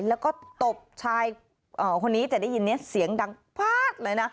แล้วก็ตบชายคนนี้จะได้ยินนี้เสียงดังฟาดเลยนะ